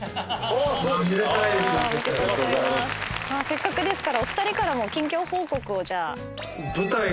せっかくですからお二人からも近況報告をじゃあ。